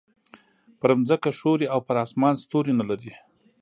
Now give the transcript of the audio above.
پر ځمکه ښوری او پر اسمان ستوری نه لري.